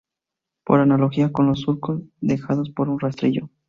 Por analogía con los surcos dejados por un rastrillo.